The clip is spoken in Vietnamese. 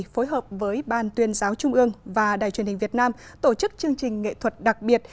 phối hợp với ban tuyên giáo trung ương và đài truyền hình việt nam tổ chức chương trình nghệ thuật đặc biệt